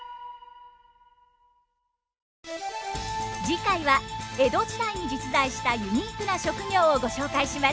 次回は江戸時代に実在したユニークな職業をご紹介します。